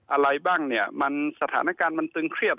อะไรบ้างสถานการณ์มันตึงเครียด